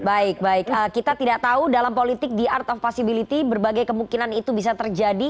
baik baik kita tidak tahu dalam politik the art of possibility berbagai kemungkinan itu bisa terjadi